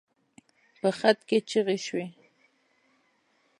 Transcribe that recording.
په خط کې چيغې شوې.